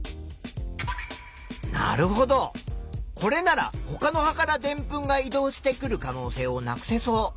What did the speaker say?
なるほどこれならほかの葉からでんぷんが移動してくる可能性をなくせそう。